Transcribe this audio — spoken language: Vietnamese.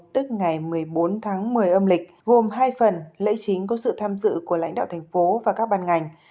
tức ngày một mươi bốn tháng một mươi âm lịch gồm hai phần lễ chính có sự tham dự của lãnh đạo thành phố và các ban ngành